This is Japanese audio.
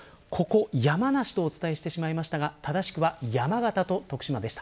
山梨とお伝えしてしまいましたがただしくは山形と徳島でした。